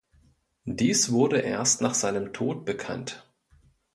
Dies wurde erst nach seinem Tod bekannt.